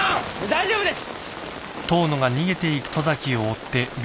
大丈夫です！